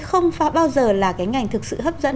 không bao giờ là cái ngành thực sự hấp dẫn